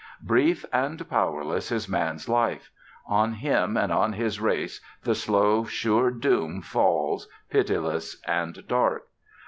Brief and powerless is Man's life; on him and all his race the slow, sure doom falls pitiless and dark.